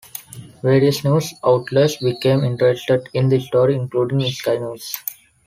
Various news outlets became interested in the story, including Sky News.